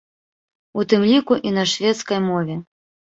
У тым ліку, і на шведскай мове.